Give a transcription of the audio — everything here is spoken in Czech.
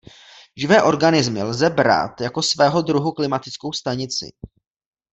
Živé organismy lze brát jako svého druhu klimatickou stanici.